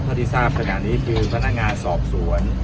เท่าที่ทราบขณะนี้คือพนักงานสอบสวน